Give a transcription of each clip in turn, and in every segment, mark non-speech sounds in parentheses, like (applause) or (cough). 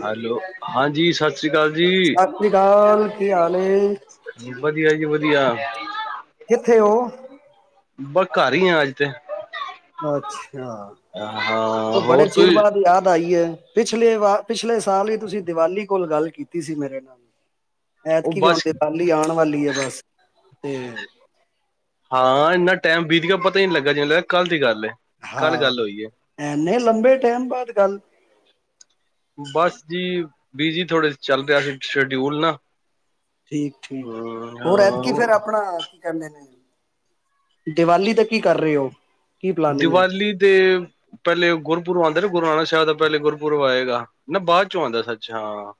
Hello, ਹਾਂਜੀ। ਸਤਿ ਸ੍ਰੀ ਕਾਲ ਜੀ। ਸਤਿ ਸ੍ਰੀ ਅਕਾਲ ਕੀ ਹਾਲ ਏ ਵਧੀਆ ਜੀ ਵਧੀਆ। (unintelligible) ਕਿੱਥੇ ਔ? ਬ ਘਰ ਈ ਆ ਅੱਜ ਤੇ। ਅੱਛਾ, ਹਾਂ ਅ ਬੜੇ ਹੋਰ ਚਿਰ ਤੁਸੀਂ ਬਾਦ ਯਾਦ ਆਈ ਏ। ਪਿਛਲੇ ਵਾਰ ਪਿਛਲੇ ਸਾਲ ਵੀ ਤੁਸੀ ਦੀਵਾਲੀ ਕੋਲ ਗੱਲ ਕੀਤੀ ਸੀ ਮੇਰੇ ਨਾਲ। ਉਹ ਐਤਕੀ ਵੀ ਹੋਣ ਬਸ ਦੀਪਾਵਲੀ ਆਣ ਵਾਲੀ ਏ ਬਸ। (unintelligible) ਹਾਂ, ਇੰਨਾ ਟਾਈਮ ਬੀਤ ਗਿਆ ਪਤਾ ਈ ਨੀ ਲੱਗਾ ਜਿਵੇਂ ਲੱ ਕੱਲ੍ਹ ਦੀ ਗੱਲ ਏ। ਕੱਲ ਹਾਂ, ਗੱਲ ਹੋਈ ਹੈ ਐਨੇ ਲੰਬੇ ਟੈਮ ਬਾਦ ਗੱਲ। ਬਸ ਜੀ ਬਿਜੀ ਥੋੜੇ ਚੱਲ ਰਿਆ ਸੀ ਸ਼ਡਿਊਲ ਨਾ। ਠੀਕ-ਠੀਕ ਹਮ ਹੋਰ ਐਤਕੀ ਫੇਰ ਹਾਂ ਆਪਣਾ ਕਹਿੰਦੇ ਨੇ ਦੀਵਾਲੀ ਤੇ ਕੀ ਕਰ ਰੇ ਔ। ਦੀਵਾਲੀ ਦੇ ਪਹਿਲੇ ਗੁਰੁ ਪੁਰ ਆਦੇ ਨੇ ਗੁਰੂ ਨਾਨਕ ਸਾਹਿਬ ਦਾ ਪਹਿਲੇ ਗੁਰਪੁਰਬ ਆਏਗਾ ਨਾ ਬਾਅਦ ਚੋਂ ਆਦਾ ਸੱਚ ਹਾਂ।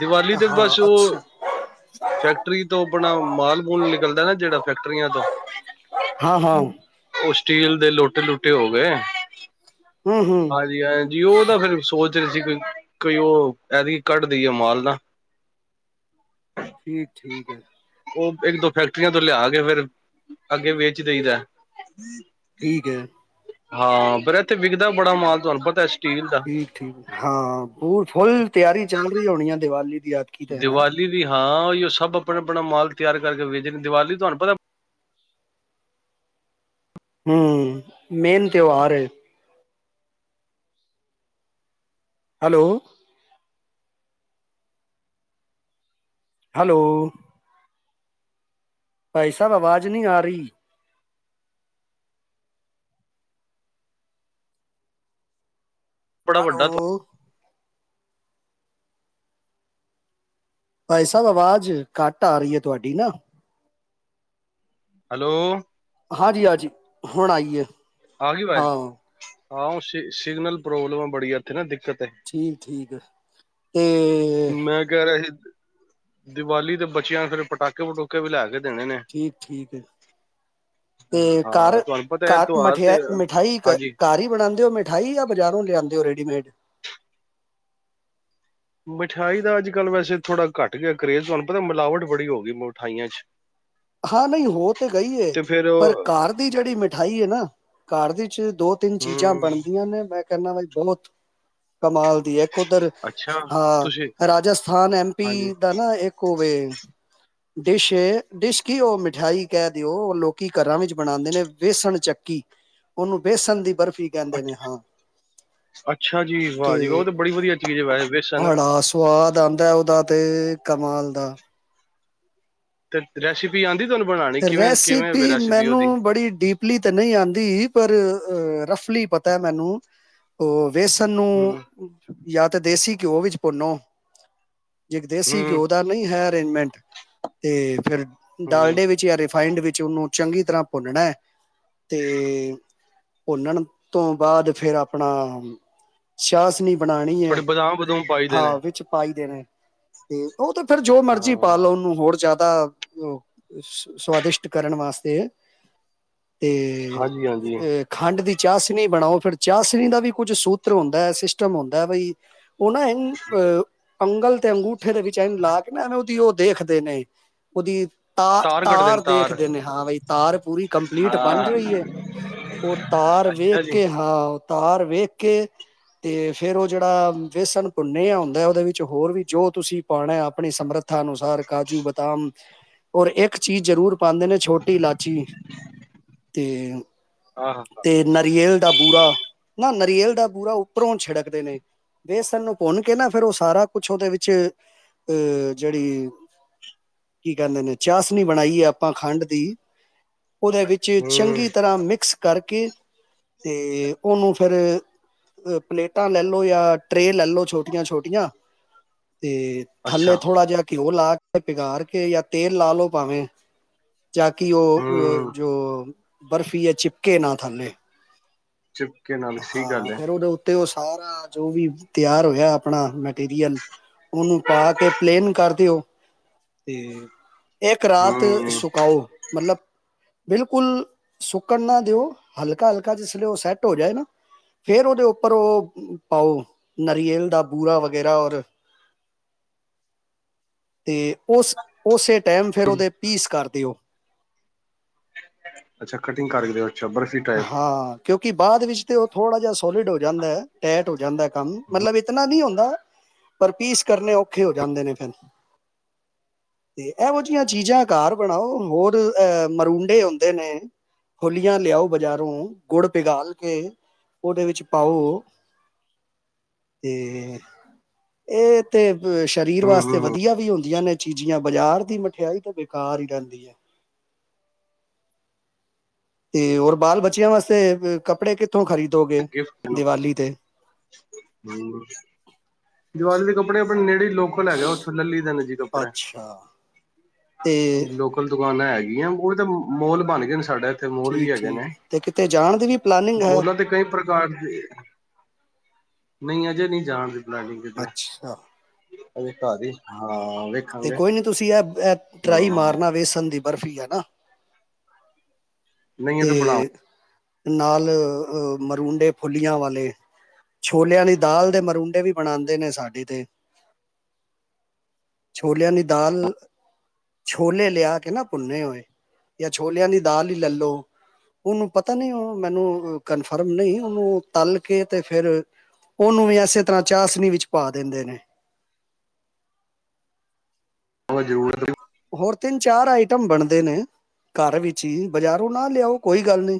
ਦੀਵਾਲੀ ਤੇ ਹਾਂ ਬਸ ਉਹ ਅੱਛਾ ਫੈਕਟਰੀ ਤੋਂ ਆਪਣਾ ਮਾਲ ਮੂਲ ਨਿਕਲਦਾ ਨਾ ਜਿਹੜਾ ਫੈਕਟਰੀਆਂ ਤੋਂ ਹਾਂ ਹਾਂ ਉਹ ਸਟੀਲ ਦੇ ਲੋਟੇ ਲੁਟੇ ਹੋ ਗਏ। ਹਮ ਹਮ ਹਾਂਜੀ ਹਾਂਜੀ ਉਹ ਤਾਂ ਫੇਰ ਸੋਚ ਸੀ ਕੋਈ ਕੋਈ ਉਹ ਇਹਦੀ ਕੱਢਦੀਈ ਆ ਮਾਲ ਨਾ ਠੀਕ ਠੀਕ ਹੈ। ਉਹ ਇੱਕ ਦੋ ਫੈਕਟਰੀਆਂ ਤੋਂ ਲਿਆ ਕੇ ਫੇਰ ਅੱਗੇ ਵੇਚ ਦੇਈਦਾ ਏ। ਠੀਕ ਹੈ। ਹਾਂ ਪਰ ਇੱਥੇ ਵਿਕਦਾ ਬੜਾ ਮਾਲ ਤੁਹਾਨੂੰ ਪਤਾ ਸਟੀਲ ਦਾ। ਠੀਕ ਠੀਕ ਹਾਂ ਉਹ ਫੁੱਲ ਤਿਆਰੀ ਚ ਹੋਣੀ ਆ ਦੀਵਾਲੀ ਯਾਦ ਕੀ ਰਹਿਣਾ ਉਹੀ ਸਭ ਆਪਣਾ ਆਪਣਾ ਮਾਲ ਤਿਆਰ ਕਰਕੇ ਵੇਖ ਜਾ ਦੀਵਾਲੀ ਤੁਹਾਨੂੰ ਪਤਾ ਹੂੰ ਮੇਨ ਤਿਉਹਾਰ ਹੈ। ਹੈਲੋ ਹੈਲੋ ਭਾਈ ਸਭ ਆਵਾਜ਼ ਨਹੀਂ ਆ ਰਹੀ। ਬੜਾ ਹੈਲੋ ਵੱਡਾ ਭਾਈ ਸਭ ਆਵਾਜ਼ ਘੱਟ ਆ ਰਹੀ ਹੈ ਤੁਹਾਡੀ ਨਾ। ਹੈਲੋ ਹਾਂਜੀ ਹਾਂਜੀ ਹੁਣ ਆਈਏ। ਆ ਗਈ ਵਾਜ਼ ਹਾਂ ਹਾਂ ਸਿਗਨਲ ਪ੍ਰੋਬਲਮ ਆ ਬੜੀ ਇੱਥੇ ਨਾ ਦਿੱਕਤ ਹੈ। ਠੀਕ ਠੀਕ ਆ ਤੇ ਮੈਂ ਕਹਿ ਰਿਹਾ ਸੀ ਦੀਵਾਲੀ ਦੇ ਬੱਚਿਆਂ ਫਿਰ ਪਟਾਕੇ ਪਟੂਕੇ ਵੀ ਲੈ ਕੇ ਦੇਣੇ ਨੇ। ਠੀਕ ਠੀਕ ਹੈ ਤੇ ਘਰ ਹਾਂ ਤੁਹਾਨੂੰ ਪਤਾ ਹੈ ਘਰ ਤਿਉਹਾਰ ਤੇ ਮਠਿਆਈ ਹਾਂਜੀ ਘਰ ਹੀ ਬਣਾਉਂਦੇ ਹੋ ਮਿਠਾਈ ਜਾਂ ਬਜ਼ਾਰੋਂ ਲਿਆਦੇ ਹੋ ਰੇਡੀਮੇਡ। ਮਿਠਾਈ ਦਾ ਅੱਜ ਕੱਲ੍ਹ ਵੈਸੇ ਥੋੜ੍ਹਾ ਘੱਟ ਗਿਆ ਕਰੇਜ਼ ਤੁਹਾਨੂੰ ਪਤਾ ਮਿਲਾਵਟ ਬੜੀ ਹੋ ਗਈ ਮਿਠਾਈਆਂ 'ਚ ਹਾਂ ਨਹੀਂ ਹੋ ਤੇ ਗਈ ਤੇ ਫੇਰ ਪਰ ਘਰਰ ਦੀ ਜਿਹੜੀ ਮਿਠਾਈ ਹੈ ਨਾ ਘਰ ਦੇ ਵਿੱਚ ਦੋ ਤਿੰਨ ਚੀਜ਼ਾਂ ਹਮ ਬਣਦੀਆਂ ਨੇ ਮੈਂ ਕਹਿਣਾ ਬਾਈ ਬਹੁਤ ਕਮਾਲ ਦੀ ਇੱਕ ਉਧਰ ਅੱਛਾ ਤੁਸੀਂ ਹਾਂ ਰਾਜਸਥਾਨ ਐਮ ਹਾਂਜੀ ਪੀ ਦਾ ਨਾ ਇੱਕ ਔਵੇ ਡਿਸ਼ ਏ, ਡਿਸ਼ ਕੀ ਉਹ ਮਿਠਾਈ ਕਹਿ ਦਿਓ ਉਹ ਲੋਕੀ ਘਰਾਂ ਵਿੱਚ ਬਣਾਂਦੇ ਨੇ, ਬੇਸਣ ਚੱਕੀ ਉਹਨੂੰ ਬੇਸਣ ਦੀ ਬਰਫ਼ ਕਹਿੰਦੇ ਨੇ ਅੱ- ਹਾਂ, ਅੱਛਾ ਜੀ ਵਾਹ ਜੀ ਉਹ ਤੇ ਤਾਂ ਬੜੀ ਵਧੀਆ ਚੀਜ਼ ਹੈ ਵੈਸੇ ਬੇਸਨ ਬੜਾ ਸਵਾਦ ਆਂਦਾ ਉਹਦਾ ਤੇ ਕਮਾਲ ਦਾ ਤੇ ਰੈਸਿਪੀ ਆਂ ਰੈਸਪੀ ਮੈਨੂੰ ਬੜੀ ਡੀਪਲੀ ਤਾਂ ਨ੍ਹੀਂ ਆਂਦੀ ਪਰ ਅ ਰਫਲੀ ਪਤਾ ਐ ਮੈਨੂੰ ਉਹ ਵੇਸਨ ਹਮ ਨੂੰ ਜਾਂ ਤਾਂ ਦੇਸੀ ਘਿਓ ਵਿੱਚ ਭੁੰਨੋ। ਜ ਦੇਸੀ ਹਮ ਘਿਓ ਦਾ ਨਹੀਂ ਹੈ ਮਿੰਟ ਤੇ ਫਿਰ ਹਮ ਡਾਲਡੇ ਵਿੱਚ ਜਾਂ ਰਿਫਾਈੰਡ ਵਿੱਚ ਉਹਨੂੰ ਚੰਗੀ ਤਰ੍ਹਾਂ ਭੁੰਨਣਾ ਐ ਤੇ ਭੁੰਨਣ ਤੋਂ ਬਾਅਦ ਫਿਰ ਆਪਣਾ ਸ਼ਾਹਚਨੀ ਚ ਬਣਾਣੀ ਹੈ ਥੋੜੇ ਬਦਾਮ ਬਦੂਮ ਪਾਈਦੇ ਨੇ ਹਾਂ ਵਿੱਚ ਪਾਈ ਦੇਣੇ ਤੇ ਉਹ ਤੇ ਫ਼ਿਰ ਜੋ ਮਰਜ਼ੀ ਪਾ ਹਾਂ ਲੋੋ ਉਹਨੂੰ ਹੋਰ ਜ਼ਿਆ (unintelligible) ਸਵਾਦਿਸ਼ਟ ਕਰਨ ਵਾਸਤੇ। ਹਾਂਜੀ ਹਾਂਜੀ ਅਤੇ ਖੰਡ ਦੀ ਚਾਸ਼ਨੀ ਬਣਾਓ। ਫਿਰ ਚਾਸ਼ਣੀ ਦਾ ਵੀ ਕੁੱਝ ਸੂਤਰ ਹੁੰਦਾ ਐ, ਸਿਸਟਮ ਹੁੰਦਾ ਬਾਈ ਉਹ ਨਾਂਹ ਅੰਗਲ ਤੇ ਅੰਗੂਠ ਠੇ ਵਿੱਚਨ ਲਾ ਕੇ ਨਾ ਐਵੇਂ ਉਹਦੀ ਉਹ ਦੇਖਦੇ ਨੇ ਉਹਦੀ ਤਾ ਤਾਰ ਦੇਖਦੇ ਨੇ ਹਾਂ, ਬਈ ਤਾਰ ਪੂਰੀ ਕੰਪਲੀਟ ਬਣ ਹਾਂ ਰਹੀ ਐ, ਉਹ ਤਾਰ ਅੱਛਾ ਵੇਖ ਜੀ ਕੇ ਹਾਂ ਤਾਰ ਵੇਖ ਕੇ ਤੇ ਫੇਰ ਉਹ ਜਿਹੜਾ ਬੇਸਨ ਭੁੰਨੇਿਆ ਹੁੰਦਾ ਉਹਦੇ ਵਿੱਚ ਹੋਰ ਵੀ ਜੋ ਤੁਸੀਂ ਪਾਉਣਾ ਆਪਣੀ ਸਮਰੱਥਾ ਅਨੂਸਾ ਰ ਕਾਜੂ ਬਦਾਮ ਔਰ ਇੱਕ ਚੀਜ਼ ਜ਼ਰੂਰ ਪਾਉਂਦੇ ਨੇ ਛੋਟੀ ਇਲਾਚੀ ਤੇ ਆਹ ਨਾਰੀਏਲ ਦਾ ਬੂਰਾ ਨਾ ਰੀਅਲ ਦਾ ਬੂਰਾ ਉੱਪਰੋਂ ਛਿੜਕਦੇ ਨੇ, ਵੇਸਣ ਨੂੰ ਭੁੰਨ ਕੇ ਨਾ ਫੇਰ ਉਹ ਸਾਰਾ ਕੁਛ ਉਹਦੇ ਵਿੱਚ ਅਹ ਜਿਹੜੀ ਕੀ ਕਹਿੰਦੇ ਨੇ ਚਾਸ਼ ਨੀਂ ਬਣਾਈ ਆਪਾਂ ਖੰਡ ਦੀ ਉਹਦੇ ਵਿੱਚ ਹੂੰ ਚੰਗੀ ਤਰ੍ਹਾਂ ਮਿਕਸ ਕਰਕੇ ਤੇ ਉਹਨੂੰ ਫੇਰ ਪਲੇਟਾਂ ਲੈਲੋ ਯਾਂ ਟ ਟਰੇ ਲੈ ਲੋ ਛੋਟੀਆਂ-ਛੋਟੀਆਂ। ਤੇ ਅੱਛਾ ਥੱਲੇ ਥੋੜ੍ਹਾ ਜਿਹਾ। ਘਿਓ ਲਾ ਕੇ ਪਿਗਾਰ ਕੇ ਜਾ ਤੇਲ ਲਾ ਲੋੋ, ਭਾਵੇਂ, ਜਾ ਕਿ ਉਹ ਹੂੰ ਜੋ ਬਰਫ਼ੀ ਹੈ ਚਿਪਕੇ ਨਾ ਥੱਲੇ, ਚਿਪਕੇ ਨਾਲ ਸਹੀ ਹਾਂ ਗੱਲ ਹੈ ਫੇਰ ਉਹਦੇ ਉੱਤੇ ਉਸ ਸਾਰਾ ਜੋ ਵੀ ਤਿਆਰ ਹੋਇਆ ਆਪਣਾ ਮਟੀਰੀਅਲ ਉਹਨੂੰ ਪਾ ਕੇ ਪਲੇਨ ਕਰ ਦਿਓ ਤੇ, ਇਕ ਰਾਤ ਹੂੰ ਸੁਕਾਓ ਮਤਲਬ ਬਿਲਕੁਲ ਸੁੱਕਣ ਨਾ ਦਿਓ, ਹਲਕਾ-ਹਲਕਾ ਜਿਸ ਲਈ ਉਹ ਸੈੱਟ ਹੋ ਜਾਏ ਨਾ, ਫੇਰ ਉਹਦੇ ਉੱਪਰ ਉਹ ਪਾਓ ਨਾਰੀਅਲ ਦਾ ਬੂਰਾ ਵਗੈਰਾ ਔਰ ਤੇ ਉਸ ਉਸੇ ਟਾਈਮ ਫੇਰ ਉਹਦੇ ਪੀਸ ਕਰ ਦਿਓ। ਅੱਛਾ ਕਟਿੰਗ ਕਰਕੇ ਦਿ ਹਾਂ, ਕਿਉਂਕਿ ਬਾਅਦ ਵਿੱਚ ਤੇ ਉਹ ਥੋੜਾ ਜਿਹਾ ਸੋਲਿਡ ਹੋ ਜਾਂਦਾ ਹੈ, ਟੈਟ ਹੋ ਜਾਂਦਾ ਕੰਮ ਮਤਲਬ ਇਤਨਾ ਨੀ ਹੁੰਦਾ ਪਰ ਪੀਸ ਕਰਨੇ ਔਖੇ ਹੋ ਜਾਂਦੇ ਨੇ ਫੇਰ ਤੇ ਇਹੋ ਜਿਹੀਆਂ ਚੀਜ਼ਾਂ ਘਰ ਬਣਾਓ, ਹੋਰ ਅਹ ਮਰੂਡੇ ਹੁੰਦੇ ਨੇ ਫੁਲੀਆਂ ਲਿਆਓ। ਬਾਜ਼ਾਰੋਂ ਗੁੜ ਪਿਗਾਲ ਕੇ ਉਹਦੇ ਵਿੱਚ ਪਾਓ ਤੇ ਇਹ ਤੇ ਅ ਸਰੀਰ ਹੂੰ ਵਾਸਤੇ ਹੂੰ ਹੂੰ ਵਧੀਆ ਵੀ ਹੁੰਦੀਆਂ ਨੇ ਚੀਜ਼ੀਆਂ। ਬਾਜ਼ਾਰ ਦੀ ਮਠਿਆਈ ਤਾਂ ਬੇਕਾਰ ਹੀ ਰਹਿੰਦੀ ਹੈ। ਤੇ ਹੋਰ ਬਾਲ ਬੱਚਿਆਂ ਵਾਸਤੇ ਕੱਪੜੇ ਕਿੱਥੋਂ ਖਰੀਦ ਗਿਫਟ ਦੀਵਾਲੀ ਦੇ ਕੱਪੜੇ ਆਪਣੇ ਨੇ ਜਿਹੜੀ ਲੋਕਲ ਹੈਗਾ ਉਥੋ ਲੈ ਲਈ ਦੇ ਨੇ, ਜੀ ਕੱਪੜਾ ਅੱਛਾ, ਤੇ ਲੋਕਲ ਦੁਕਾਨ ਹੈਗੀ। ਉਹ ਵੀ ਤਾਂ ਮੋਲ ਬਣ ਗਏ ਨੇ ਸਾਡੇ ਥ ਮੋਲ ਵੀ ਠੀਕ ਹੈਗੇ ਠੀਕ ਨੇ ਤੇ ਕਿਤੇ ਜਾਣ ਦੀ ਵੀ ਪਲਾਨਿੰਗ ਹੈ ਮੋਲਾਂ ਤੇ ਕਈ ਪ੍ਰਕਾਰ ਦੇ ਨੀ ਅਜੇ ਨਹੀਂ ਜਾਣਦੇ। ਅੱਛਾ, ਅਜੇ ਘਰ ਹੀ ਹਾਂ, ਤੇ ਵੇਖਾਂਗੇ ਕੋਈ ਨੀ ਤੁਸੀਂ ਇਹ-ਇਹ ਟਰਾਈ ਹਾਂ ਮਾਰਨਾ ਵੇ ਸੰਦੀਪ ਬਰਫ਼ੀ ਆ ਨਾ, ਨਹੀਂ ਐ ਤੇ ਤਾਂ ਬੜਾ ਨਾਲ ਅ ਮਰੂੰਡੇ ਫੁੱਲੀਆਂ ਵਾਲੇ ਛੋਲਿਆਂ ਦੀ ਦਾਲ ਦੇ ਮਰੂੰਡੇ ਵੀ ਬਣਾਦੇ ਨੇ, ਸਾਡੇ ਤੇ ਛੋਲਿਆਂ ਦੀ ਦਾਲ ਛੋਲੇ ਲਿਆ ਕੇ ਨਾ ਭੁੰਨੇ ਹੋਏ ਜਾਂ ਛੋਲਿਆਂ ਦੀ ਦਾਲ ਹੀ ਲੈਲੋ। ਉਹਨੂੰ ਪਤਾ ਨੀ ਉਹ ਮੈਨੂੰ ਕਨਫਰਮ ਨਹੀਂ ਉਹਨੂੰ ਤਲ ਕੇ ਤੇ ਫੇਰ ਉਹਨੂੰ ਵੀ ਇਸੇ ਤਰ੍ਹਾਂ ਚਾਸਨੀ ਵਿੱਚ ਪਾ ਦਿੰਦੇ ਨੇ। ਹ ਜ਼ਰੂਰਤ ਹੋਰ ਤਿੰਨ ਚਾਰ ਆਈਟਮ ਬਣਦੇ ਨੇ, ਘਰ ਵਿਚ ਹੀ ਬਜ਼ਾਰੋਂ ਨਾ ਲਿਆਓ, ਕੋਈ ਗੱਲ ਨੀ।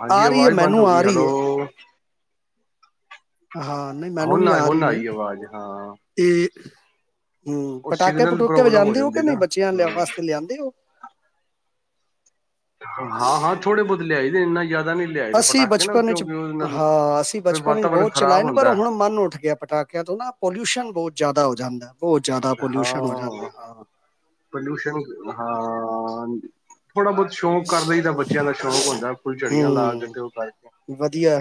ਹਾਂਜੀ। ਆਵਾਜ਼ ਬੰਦ ਹੋ ਆ ਗਈ, ਰਹੀ ਹੈਲੋ। ਹੈ ਹਾਂ, ਨਹੀਂ ਮੈਨੂੰ ਹੁਣ ਵੀ ਆ ਹੁਣ ਰਹੀ ਹੈ, ਆਈ ਆਵਾਜ਼ ਹਾਂ ਇਹ (inaudible) ਹਮ ਉਹ ਪਟਾਕੇ ਸਿਗਨਲ ਪਟੂਕੇ ਪ੍ਰੋਬਲਮ ਵਜਾਉਂਦੇ ਹੋ, ਜਾਂਦੀ ਕਿ ਨਾ ਨਹੀਂ ਬੱਚਿਆਂ ਲਿਆ ਵਾਸਤੇ ਲਿਆਂਦੇ ਹੋ, ਹਾਂ-ਹਾਂ ਥੋੜੇ, ਬਹੁਤ ਲਿਆਈ ਦੇ ਏਨਾ ਅਸੀਂ ਬਚਪਨ ਵਿੱਚ, ਹਾਂ। ਅਸੀਂ ਫਿਰ ਬਚਪਨ ਵਿੱਚ ਵਾਤਾਵਰਨ ਬਹੁਤ ਚਲਾਏ ਖ਼ਰਾਬ ਨੇ, ਪਰ ਹੁੰਦਾ ਹੁਣ ਮਨ ਉੱਠ ਗਿਆ, ਪਟਾਕਿਆਂ ਤੋਂ ਨਾ ਪੋਲਿਊਸ਼ਨ ਬਹੁਤ ਜ਼ਿਆਦਾ ਹੋ ਜਾਂਦਾ‌ ਹਾਂ, ਪੋਲਿਓਸ਼ਨ ਹਾਂ। ਹਾਂ। ਥੋੜਾ ਬਹੁਤ ਸ਼ੌਕ ਕਰਦਈ ਦਾ, ਬੱਚਿਆਂ ਦਾ ਸ਼ੌਕ ਹੁੰਦਾ, ਫੁਲਝੜੀਆਂ ਲਾ ਕੇ, ਹੂੰ ਤੇ ਉਹ ਕਰਕੇ ਵਧੀਆ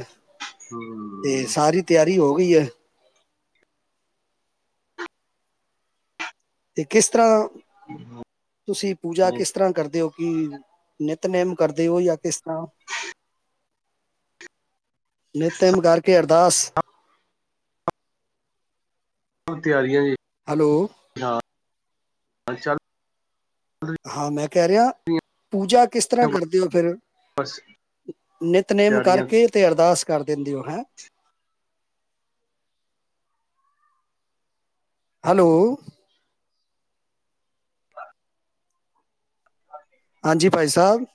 ਤੇ ਹੰ ਸਾਰੀ ਤਿਆਰੀ (inaudible) ਤੇ ਕਿਸ ਤਰ੍ਹਾਂ? ਤੁਸੀ, ਪੂਜਾ ਕਿਸ ਤਰ੍ਹਾਂ ਕਰਦੇ ਓ! ਕਿ ਨਿੱਤਨੇਮ ਕਰਦੇ ਹੋ, ਜਾਂ ਕਿਸ ਤਰ੍ਹਾਂ ਨਿੱਤਨੇਮ ਕਰਕੇ, ਅਰਦਾਸ। ਉਹ ਤਿਆਰੀਆਂ ਜੀ। ਹੈਲੋ। ਹੱਲ-ਚਲ। ਹਾਂ, ਮੈਂ ਕਹਿ ਰਿਹਾ, ਪੂਜਾ ਕਿਸ ਤਰ੍ਹਾਂ ਕਰਦੇ ਹੋ? ਫਿਰ, ਬਸ ਨਿੱਤਨੇਮ ਤਿਆਰੀਆਂ ਕਰਕੇ ਤੇ ਅਰਦਾਸ ਕਰ ਦਿੰਦੇ ਹੋ। ਹੈਂ ਹੈਲੋ। ਹਾਂਜੀ। ਹਾਂਜੀ, ਭਾਈ ਸਾਹਿਬ।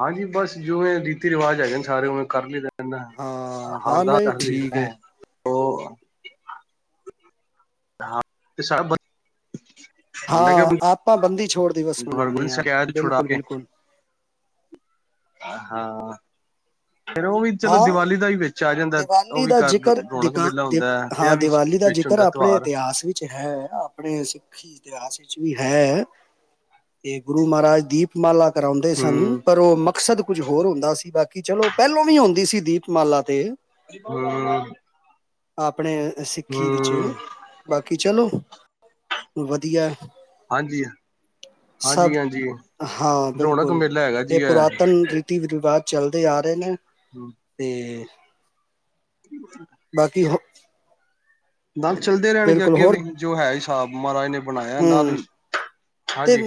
ਹਾਂਜੀ। ਬਸ। ਜੋ, ਵੇ, ਰੀਤੀ ਰਿਵਾਜ਼ ਹੈਗੇ ਨੇ ਸਾਰੇ ਉਵੇਂ ਕਰ ਲਦੇ ਹਾਂ ਹਾਂ ਨਹੀਂ ਹਾਰਦਾਦੇ ਠੀਕ ਹੈ ਉਹ, ਹਾਂ, ਤੇ ਸਬ ਹਾਂ। ਆਪਾਂ ਬੰਦੀ ਛੋੜ ਦਿਵਸ ਰਗੁਲ ਮਨਾਉਂਦੇ ਹਾਂ ਸਕ ਛੁਡਾ ਬਿਲਕੁਲ ਕੇ ਬਿਲਕੁਲ ਹਾਂ ਫਿਰ ਉਹ ਵੀ ਚਲੋ ਹਾ, ਦੀਵਾਲੀ ਦਾ ਹੀ ਵਿੱਚ ਆ ਜਾਂਦਾ ਉਹ ਦੀਵਾਲੀ ਵੀ ਦਾ ਘਰ ਜ਼ਿਕਰ ਰੌਣਕ ਮੇਲਾ ਹੁੰਦਾ ਹੈ ਤੇ ਹਾ ਆ ਵੀ ਦੀਵਾਲੀ ਦਾ ਵਿੱਚ ਜ਼ਿਕਰ ਹੁੰਦਾ ਆਪਣੇ ਤਿਉਹਾਰ ਇਤਿਹਾਸ ਵਿੱਚ ਹੈ। ਆਪਣੇ ੀ ਇਤਿਹਾਸ ਵਿੱਚ ਵੀ ਹੈ‌। ਇਹ, ਗੁਰੂ ਮਹਾਰਾਜ ਦੀਪ ਮਲਕ ਕਰਾਉਂਦੇ ਸਨ, ਹੂੰ ਪਰ ਉਹ ਮਕਸਦ ਕੁੱਝ ਹੋਰ ਹੁੰਦਾ ਸੀ, ਬਾਕੀ ਚਲੋ ਪਹਿਲੋਂ ਵੀ ਹਉ ਦੀ ਸੀ ਦੀਪਮਾਲਾ ਤੇ (unintelligible) ਹਮ ਆਪ ਆਪਣੇ ਸਿੱਖੀ ਵਿੱਚ ਬਾਕੀ ਚਲੋ ਵਧੀਆ ਹਾਂਜੀ ਸਭ ਹਾਂਜੀ ਹਾਂਜੀ ਹਾਂ ਰੌਣਕ ਬਿਲਕੁਲ ਮੇਲਾ ਹੈਗਾ ਇਹ ਜੀ ਪੁਰਾਤਨ ਰੀਤੀ ਰਿਵਾਜ ਚਲਦੇ ਆ ਰਹੇ ਨੇ ਹਮ ਤੇ ਬਾਕੀ (inaudible) ਨਾਲ ਚੱਲਦੇ ਰਹਿਣਗੇ ਬਿਲਕੁਲ ਅੱਗੇ ਹੋਰ ਵੀ ਜੋ ਹੈ ਹਿਸਾਬ ਮਹਾਰਾਜ ਨੇ ਬਣਾਇਆ ਨਾਲ ਹੂੰ ਹਾਂਜੀ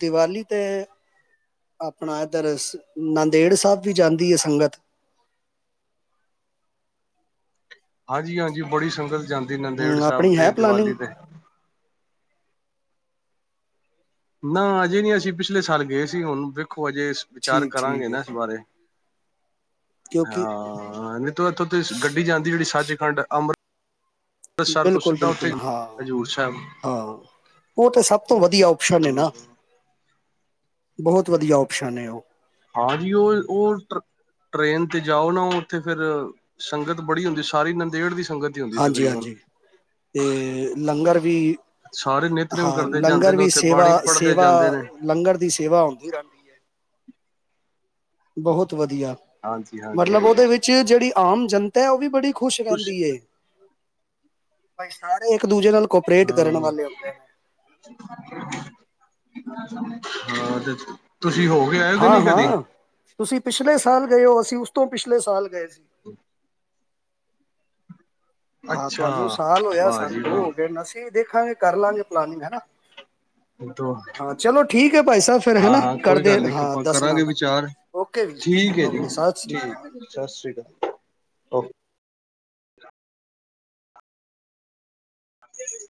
ਦਿਵਾਲੀ ਤੇ ਆਪਣਾ ਇੱਧਰ ਨਾਂਦੇੜ ਸਾਹਿਬ ਵੀ ਜਾਂਦੀ ਹੈ ਸੰਗਤ ਹਾਂਜੀ ਹਾਂਜੀ ਬੜੀ ਸੰਗਤ ਜਾਂਦੀ ਨੰਦੇੜ ਹੂੰ ਸਾਹਿਬ ਆਪਣੀ ਤੇ ਹੈ ਪਲਾਨਿੰਗ ਦੀਵਾਲੀ ਤੇ ਨਾ ਅਜੇ ਨਹੀਂ ਅਸੀਂ ਪਿਛਲੇ ਸਾਲ ਗਏ ਸੀ ਹੁਣ ਵੇਖੋ ਅਜੇ ਵਿਚਾਰ ਠੀਕ ਕਰਾਂਗੇ ਠੀਕ ਹੈ ਨਾ ਇਸ ਬਾਰੇ ਕਿਉਂਕਿ ਹਾਂ ਨਹੀਂ ਤਾਂ ਇੱਥੋਂ ਤੇ ਗੱਡੀ ਜਾਂਦੀ ਜਿਹੜੀ ਸੱਚ ਖੰਡ ਅੰਮ੍ਰਿਤ ਅੰਮ੍ਰਿਤਸਰ ਤੋਂ ਬਿਲਕੁਲ ਸਿੱਧਾ ਉੱਥੇ ਬਿਲਕੁਲ ਹਾਂ ਹਜ਼ੂਰ ਸਾਹਿਬ ਹਾਂ ਉਹ ਤਾਂ ਸਭ ਤੋਂ ਵਧੀਆ ਓਪਸ਼ਨ ਹੈ ਨਾ ਬਹੁਤ ਵਧੀਆ ਓਪਸ਼ਨ ਹੈ ਉਹ ਹਾਂਜੀੀ ਉਹ ਉਹ ਟ੍ਰਰੇਨ ਤੇ ਜਾਓ ਨਾ ਉਹ ਉੱਥੇ ਫੇਿਰ ਸੰਗਤ ਬੜੀ ਹੁੰਦੀ ਸਾਰੀ ਨੰਦੇੜ ਦੀ (unintelligible) ਹਾਂਜੀ ਤਕਰੀਬਨ ਹਾਂਜੀ ਤੇ ਲੰਗਰ ਵੀ ਸਾਰੇ ਨਿਤਨੇਮ ਹਾਂ ਕਰਦੇ ਜਾਂਦੇ ਲੰਗਰ ਨੇ ਵੀ ਉੱਥੇ ਸੇਵਾ ਬਾਣੀ ਪੜ੍ਹਦੇ ਸੇਵਾ ਜਾਂਦੇ ਨੇ ਲੰਗਰ ਦੀ ਸੇਵਾ ਆਉਂਦੀ ਰਹਿੰਦੀ ਹੈ ਬਹੁਤ ਵਧੀਆ ਹਾਂਜੀ ਹਾਂਜੀ ਮਤਲਬ ਹਾਂਜੀ ਉਹਦੇ ਵਿੱਚ ਜਿਹੜੀ ਆਮ ਜਨਤਾ ਉਹ ਵੀ ਬੜੀ ਖੁਸ਼ ਤੁਸੀਂ ਰਹਿੰਦੀ ਏ। ਭਈ ਸਾਰੇ (unintelligible) ਕੋਪਰੇਟ ਕਰਨ ਹਾਂ ਵਾਲੇ ਹੁੰਦੇ ਨੇ (inaudible) ਹਾਂ ਤੇ ਤੁਸੀਂ ਹੋ ਕੇ ਆਏ ਹੋ ਕਿ ਹਾਂ ਨਹੀਂ ਕਦੀ ਹਾਂ, ਤੁਸੀਂ ਪਿਛਲੇ ਸ ਸਾਲ ਗਏ ਔ, ਅਸੀਂ ਉਸ ਤੋਂ ਪਿਛਲੇ ਸਾਲ ਗਏ ਸੀ। ਹੂ। ਹਾਂ, ਅੱਛਾ ਤੁਹਾਨੂੰ ਸਾਲ ਹੋਇਆ ਵਾਹ ਸਾਨੂੰ ਜੀ ਦੋ ਹੋ ਗਏ ਵਾਹ ਨੇ ਅਸੀਂ ਦੇਖਾਂਗੇ ਕਰ ਲਾਂਗੇ ਪਲਾਨਿੰਗ ਹੈਨਾ। ਹੂ ਤੋ, ਠੀਕ ਹੈ ਭਾਈ ਸਾਹਿਬ ਫਿਰ ਹੈ ਹਾਂ ਨਾ ਹਾਂ ਕੋਈ ਕਰਦੇ ਗੱਲ ਨੀ ਹਾਂ ਆਪਾਂ ਦੱਸਣਾ ਕਰਾਂਗੇ ਮੈਨੂੰ ਵਿਚਾਰ, ਓਕੇ ਵੀ ਠੀਕ ਏ ਜੀ ਓਕੇ ਸਤਿ ਸ੍ਰੀ ਅਕਾਲ ਠੀਕ ਸਤ ਸ੍ਰੀ ਕਾਲ ਓਕੇ। ਅਪਣੇ ਘਰੀ